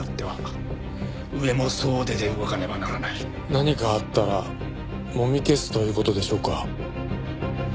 何かあったらもみ消すという事でしょうか？